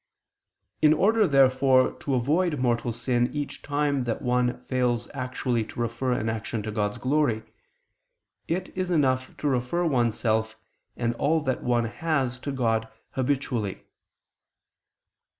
In order, therefore, to avoid mortal sin each time that one fails actually to refer an action to God's glory, it is enough to refer oneself and all that one has to God habitually.